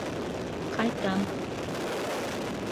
Ҡайтам.